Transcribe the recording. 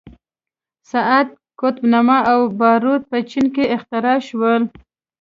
ساعت، قطب نما او باروت په چین کې اختراع شول.